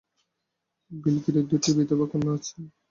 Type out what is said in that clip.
বিলিগিরির দুটি বিধবা কন্যা আছেন।